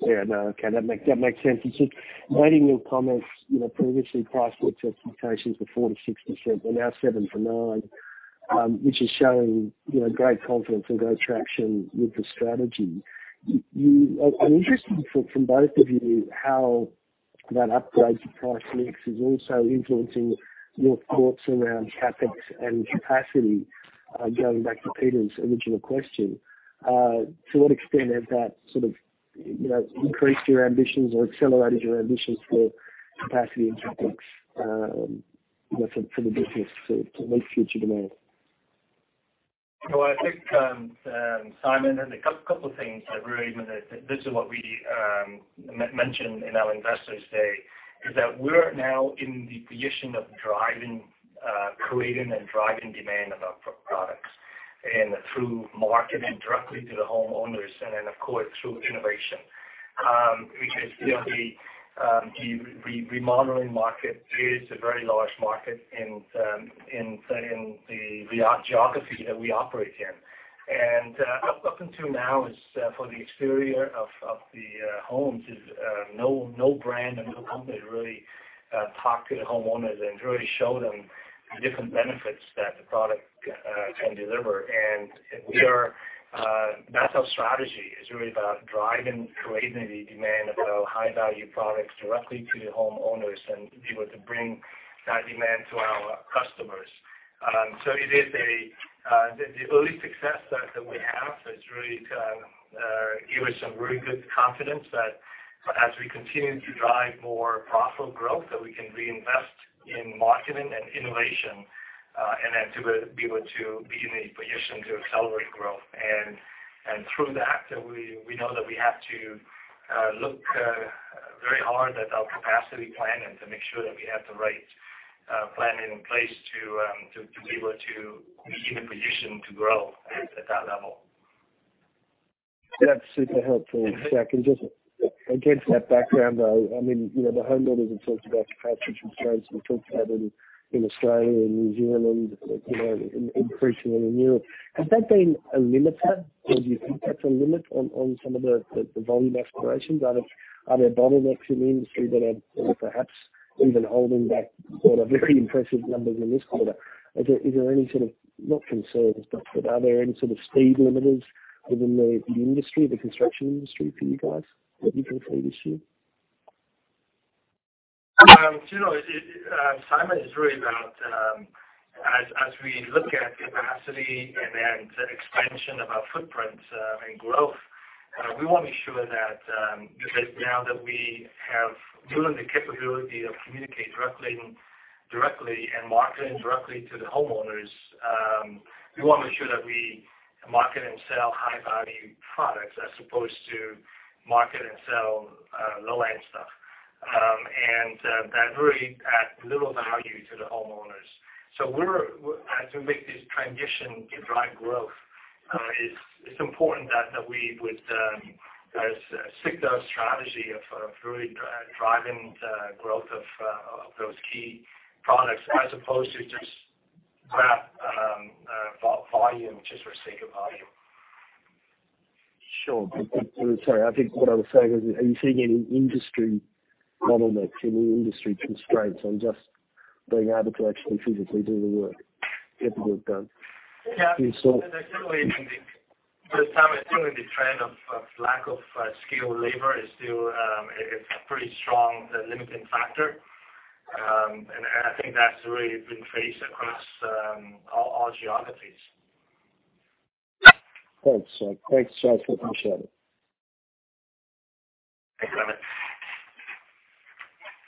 Yeah. No, okay, that makes sense. It's just reading your comments, you know, previously price mix expectations were 4%-6%, they're now 7%-9%, which is showing, you know, great confidence and great traction with the strategy. You, I'm interested from, from both of you, how that upgrade to price mix is also influencing your thoughts around CapEx and capacity, going back to Peter's original question. To what extent has that sort of, you know, increased your ambitions or accelerated your ambitions for capacity and CapEx, you know, for, for the business to, to meet future demand? Well, I think, Simon, there's a couple of things that really, this is what we mentioned in our Investors Day, is that we're now in the position of driving, creating and driving demand of our products, and through marketing directly to the homeowners and then, of course, through innovation. Because, you know, the remodeling market is a very large market in the geography that we operate in. And up until now is for the exterior of the homes is no brand and no company really talk to the homeowners and really show them the different benefits that the product can deliver. And we are, that's our strategy. It's really about driving, creating the demand of our high-value products directly to the homeowners and be able to bring that demand to our customers. It is the early success that we have has really give us some really good confidence that as we continue to drive more profitable growth, that we can reinvest in marketing and innovation, and then to be able to be in a position to accelerate growth. And through that, we know that we have to look very hard at our capacity plan and to make sure that we have the right plan in place to be able to be in a position to grow at that level.... That's super helpful, Jack. And just against that background, though, I mean, you know, the homeowners have talked about capacity constraints. We talked about it in Australia and New Zealand, you know, increasing in Europe. Has that been a limiter, or do you think that's a limit on some of the volume aspirations? Are there bottlenecks in the industry that are perhaps even holding back sort of very impressive numbers in this quarter? Is there any sort of, not concerns, but are there any sort of speed limiters within the industry, the construction industry, for you guys, that you can see this year? You know, Simon, it is really about, as we look at capacity and then the expansion of our footprint and growth, we want to make sure that, because now that we have driven the capability of communicate directly and marketing directly to the homeowners, we want to make sure that we market and sell high-value products as opposed to market and sell low-end stuff and that really add little value to the homeowners, so as we make this transition and drive growth, it's important that we would stick to our strategy of really driving the growth of those key products, as opposed to just grab volume just for sake of volume. Sure. But sorry, I think what I was saying is, are you seeing any industry bottlenecks, any industry constraints on just being able to actually physically do the work, get the work done? Yeah. And so- Certainly, I think this time, I think the trend of lack of skilled labor is still a pretty strong limiting factor, and I think that's really been faced across all geographies. Thanks, Jack. Thanks, Jack. Appreciate it. Thanks, Simon.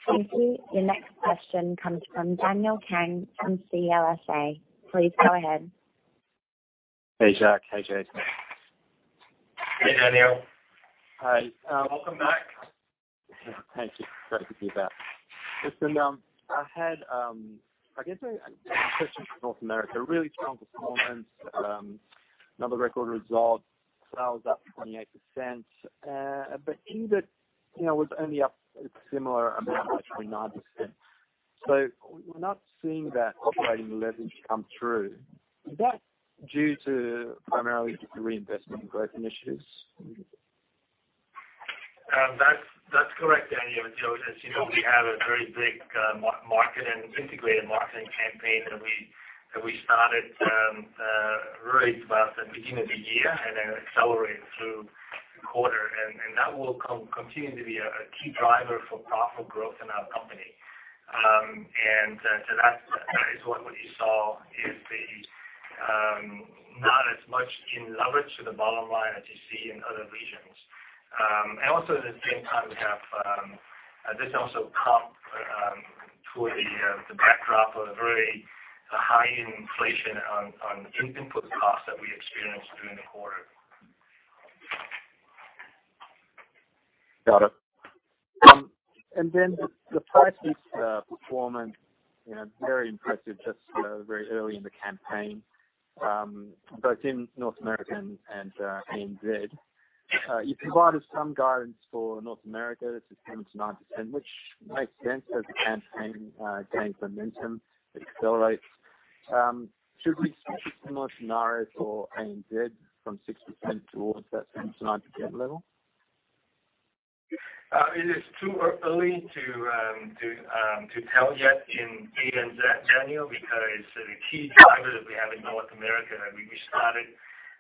Thank you. Your next question comes from Daniel Kang from CLSA. Please go ahead. Hey, Jack. Hey, Jason. Hey, Daniel. Hi, um- Welcome back. Thank you. Great to be back. Listen, I had, I guess a question for North America. Really strong performance, another record result, sales up 28%. But EBIT, you know, was only up a similar amount, like 29%. So we're not seeing that operating leverage come through. Is that due to primarily the reinvestment in growth initiatives? That's correct, Daniel. As you know, we have a very big integrated marketing campaign that we started really about the beginning of the year and then accelerated through the quarter. That will continue to be a key driver for profitable growth in our company. So that's what you saw is the not as much in leverage to the bottom line as you see in other regions. Also at the same time, we have this also compares to the backdrop of a very high inflation on input costs that we experienced during the quarter. Got it. And then the price/mix performance, you know, very impressive, just very early in the campaign both in North America and ANZ. You provided some guidance for North America, 6% to 9%, which makes sense as the campaign gains momentum, it accelerates. Should we see a similar scenario for ANZ from 6% towards that 6% to 9% level? It is too early to tell yet in ANZ, Daniel, because the key driver that we have in North America, that we started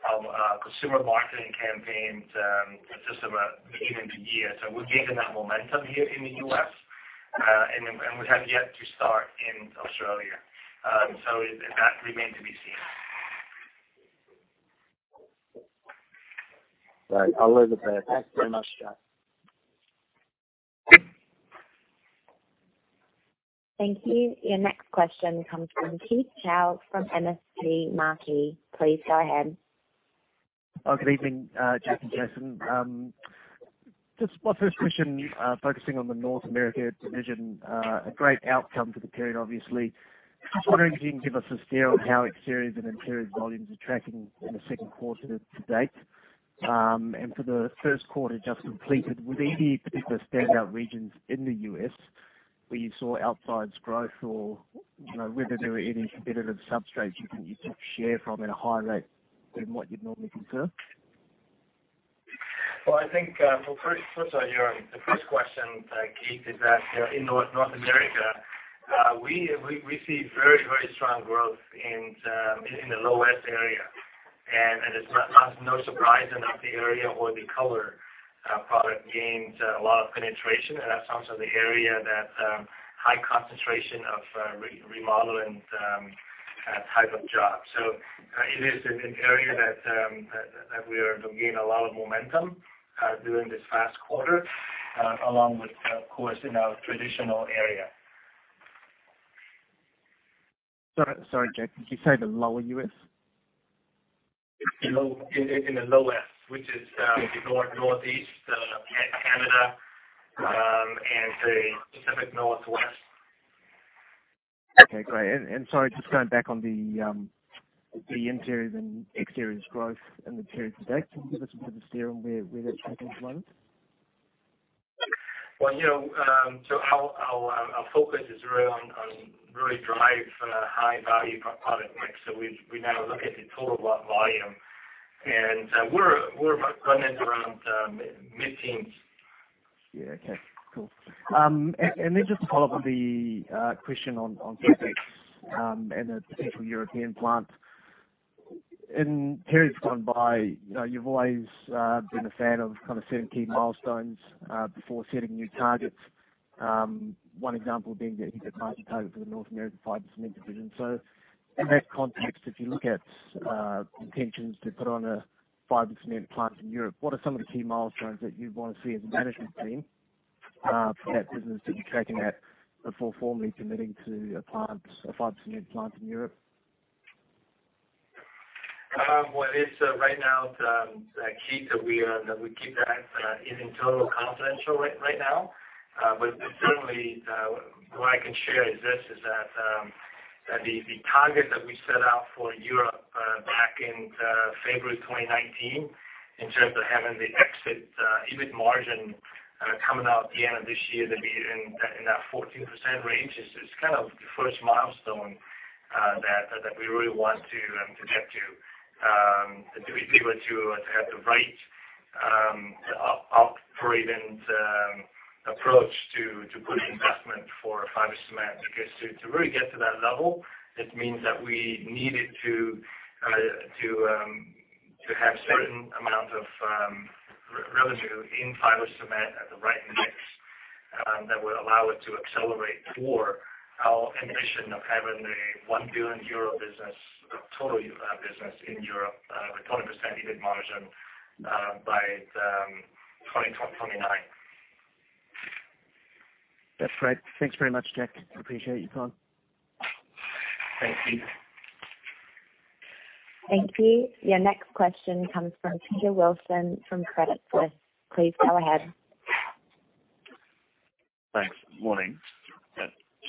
a consumer marketing campaign just about the beginning of the year. So we've given that momentum here in the US, and we have yet to start in Australia. So it. That remains to be seen. Right. I'll leave it there. Thanks very much, Jack. Thank you. Your next question comes from Keith Chau from MST Marquee. Please go ahead. Good evening, Jack and Jason. Just my first question, focusing on the North America division. A great outcome for the period obviously. Just wondering if you can give us a steer on how interiors volumes are tracking in the second quarter to date, and for the first quarter just completed, were there any particular standout regions in the U.S. where you saw outsized growth or, you know, whether there were any competitive substrates you think you took share from at a higher rate than what you'd normally consider? I think first your first question, Keith, is that in North America we see very strong growth in the Southwest area. And it's no surprise that the area where the color product gains a lot of penetration, and that's also the area that high concentration of remodeling type of jobs. So, it is an area that we are gaining a lot of momentum during this last quarter, along with, of course, in our traditional area. Sorry, sorry, Jack, did you say the lower U.S.? In the North, which is North, Northeast, Canada, and the Pacific Northwest.... Okay, great. And sorry, just going back on the, the interiors and exteriors growth in the period to date. Can you give us a bit of steering where that's tracking at the moment? You know, our focus is really on really driving high-value product mix. We now look at the total volume, and we're running around mid-teens. Yeah. Okay, cool. And then just to follow up on the question on Capex, and the potential European plant. In periods gone by, you know, you've always been a fan of kind of setting key milestones before setting new targets. One example being the EBITDA margin target for the North America fiber cement division. So in that context, if you look at intentions to put on a fiber cement plant in Europe, what are some of the key milestones that you'd want to see as a management team for that business to be tracking at before formally committing to a plant, a fiber cement plant in Europe? Well, it's right now the key that we keep that is totally confidential right now. But certainly, what I can share is that the target that we set out for Europe back in February 2019, in terms of having the exit EBIT margin coming out at the end of this year to be in that 14% range, is kind of the first milestone that we really want to get to. To be able to have the right operating approach to put investment for fiber cement. Because to really get to that level, it means that we needed to have certain amount of revenue in fiber cement at the right mix that would allow it to accelerate for our ambition of having a 1 billion euro business, total business in Europe, with 20% EBIT margin, by 2029. That's great. Thanks very much, Jack. Appreciate you calling. Thank you. Thank you. Your next question comes from Peter Wilson, from Credit Suisse. Please go ahead. Thanks. Morning.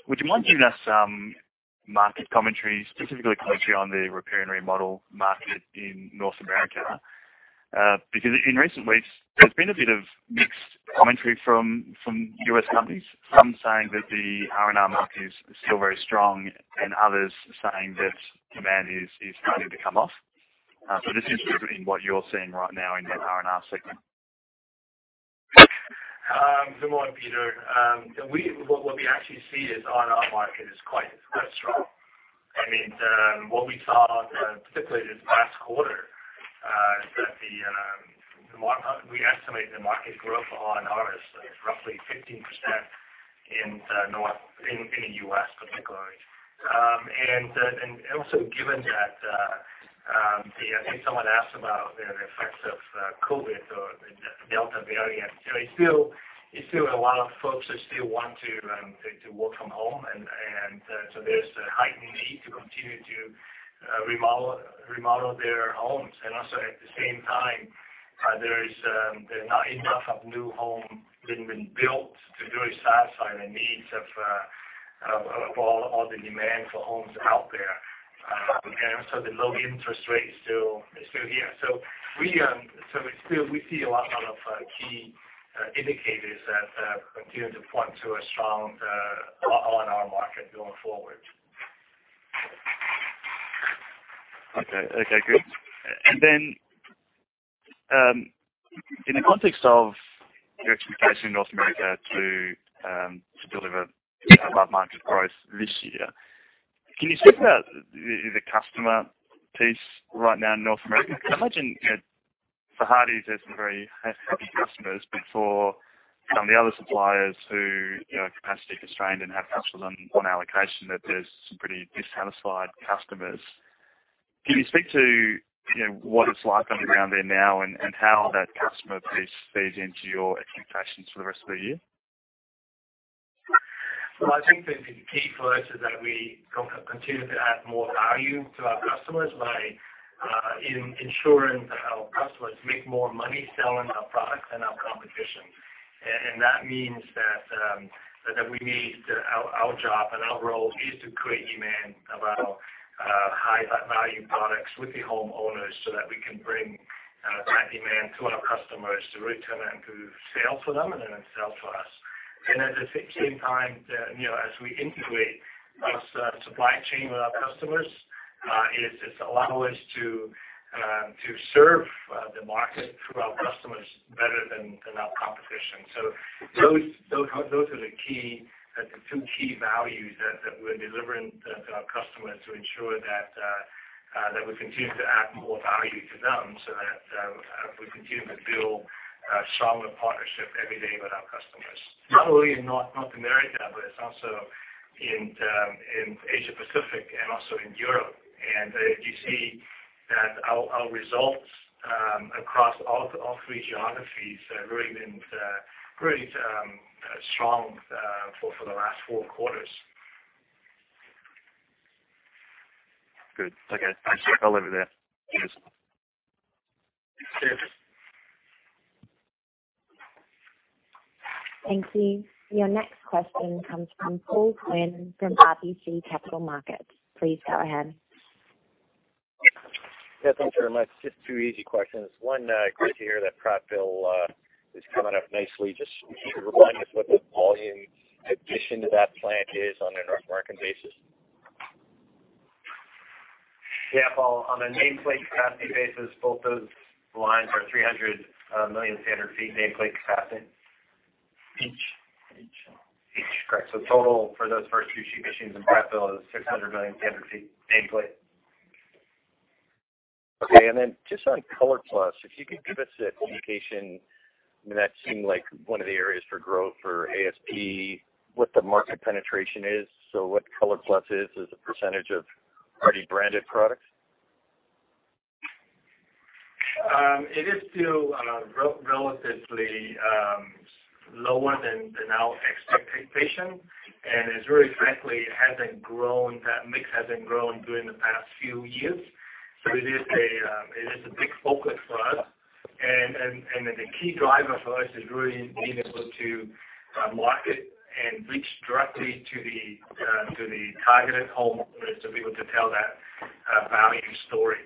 Would you mind giving us some market commentary, specifically commentary on the repair and remodel market in North America? Because in recent weeks, there's been a bit of mixed commentary from U.S. companies. Some saying that the R&R market is still very strong, and others saying that demand is starting to come off, so just in what you're seeing right now in that R&R segment. Good morning, Peter. What we actually see is R&R market is quite strong. I mean, what we saw particularly this last quarter is that we estimate the market growth on R&R is roughly 15% in North America. In the U.S., particularly. And also given that, I think someone asked about the effects of COVID or the Delta variant. So it's still a lot of folks who still want to work from home. And so there's a heightened need to continue to remodel their homes. And also, at the same time, there are not enough new homes being built to really satisfy the needs of all the demand for homes out there. And so the low interest rate is still here. So it's still. We see a lot of key indicators that continue to point to a strong R&R market going forward. Okay. Okay, good. And then, in the context of your expectation in North America to deliver above market growth this year, can you speak about the customer piece right now in North America? I imagine, you know, for Hardie's there's some very happy customers, but for some of the other suppliers who, you know, are capacity constrained and have customers on allocation, that there's some pretty dissatisfied customers. Can you speak to, you know, what it's like on the ground there now, and how that customer piece feeds into your expectations for the rest of the year? I think the key for us is that we continue to add more value to our customers by ensuring that our customers make more money selling our products than our competition. And that means that we need our job and our role is to create demand about high value products with the homeowners, so that we can bring that demand to our customers to return it, to sell for them and then sell for us. And at the same time, you know, as we integrate our supply chain with our customers, it's allow us to serve the market through our customers better than our competition. So those are the key two key values that we're delivering to our customers to ensure that we continue to add more value to them, so that we continue to build a stronger partnership every day with our customers. Not only in North America, but it's also in Asia Pacific and also in Europe. And you see that our results across all three geographies have really been strong for the last four quarters. Good. Okay. Thanks. I'll leave it there. Thank you. Your next question comes from Paul Quinn from RBC Capital Markets. Please go ahead. Yes, thanks very much. Just two easy questions. One, great to hear that Prattville is coming up nicely. Just can you remind us what the volume addition to that plant is on an operating basis? Yeah, Paul, on a nameplate capacity basis, both those lines are 300 million square feet nameplate capacity. Each? Each. Each, correct. So total for those first two sheet machines in Prattville is 600 million standard feet nameplate. Okay. And then just on ColorPlus, if you could give us an indication, I mean, that seemed like one of the areas for growth for ASP, what the market penetration is. So what ColorPlus is, as a percentage of already branded products? It is still relatively lower than the now expectation, and it's very frankly, it hasn't grown. That mix hasn't grown during the past few years. So it is a big focus for us. And the key driver for us is really being able to market and reach directly to the targeted homeowners, to be able to tell that value story.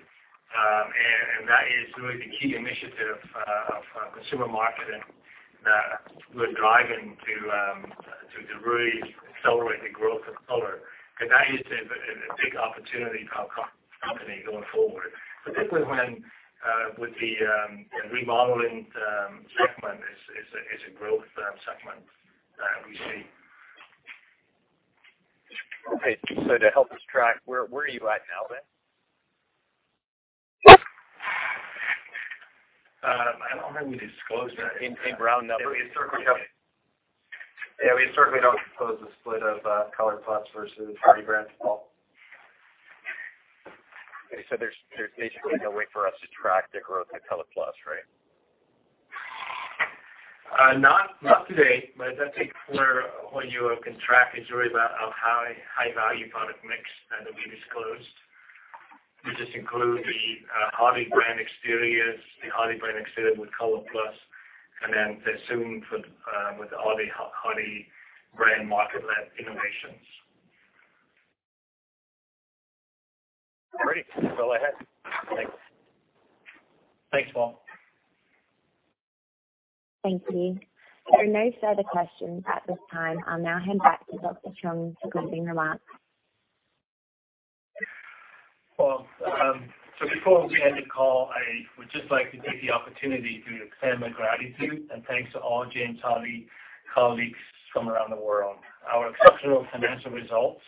And that is really the key initiative of consumer marketing that we're driving to really accelerate the growth of color. Because that is a big opportunity for our company going forward, particularly when with the remodeling segment is a growth segment we see. Okay, so to help us track, where, where are you at now, then? I don't know how we disclose that. In round numbers. Yeah, we certainly don't disclose a split of ColorPlus versus Hardie brand as well. So there's basically no way for us to track the growth of ColorPlus, right? Not today, but I think where you can track is really about our high-value product mix that we disclosed, which is include the Hardie brand exteriors, the Hardie brand exterior with ColorPlus, and then with the Hardie brand market-led innovations. Great. Go ahead. Thanks. Thanks, Paul. Thank you. There are no further questions at this time. I'll now hand back to Dr. Jack Truong for closing remarks. Before we end the call, I would just like to take the opportunity to extend my gratitude and thanks to all James Hardie colleagues from around the world. Our exceptional financial results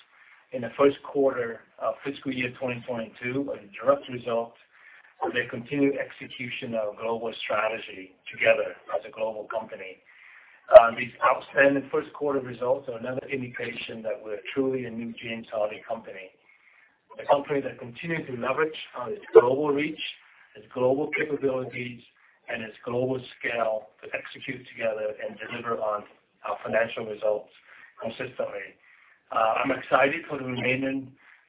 in the first quarter of fiscal year 2022 are a direct result of the continued execution of our global strategy together as a global company. These outstanding first quarter results are another indication that we're truly a new James Hardie company. A company that continues to leverage on its global reach, its global capabilities, and its global scale to execute together and deliver on our financial results consistently. I'm excited for the remainder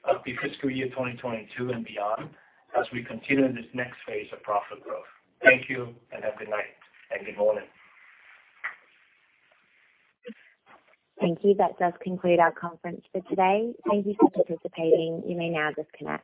of the fiscal year 2022 and beyond, as we continue this next phase of profit growth. Thank you, and have a good night. And good morning. Thank you. That does conclude our conference for today. Thank you for participating. You may now disconnect.